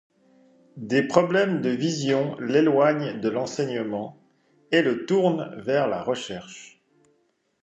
Des problèmes de vision l'éloignent de l'enseignement et le tournent vers la recherche.